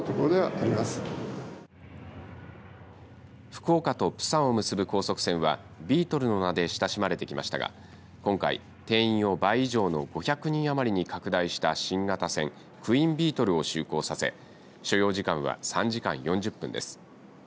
福岡とプサンを結ぶ高速船はビートルの名で親しまれてきましたが今回、定員を倍以上の５００人余りに拡大した新型船クイーンビートルを就航させ所要時間は３時間４０分です。